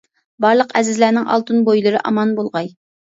بارلىق ئەزىزلەرنىڭ ئالتۇن بويلىرى ئامان بولغاي!